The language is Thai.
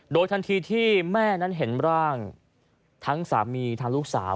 โดยทันทีที่แม่นั้นเห็นร่างทั้งสามีทั้งลูกสาว